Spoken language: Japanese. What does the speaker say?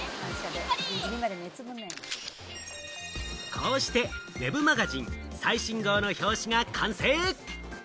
こうしてＷｅｂマガジン最新号の表紙が完成。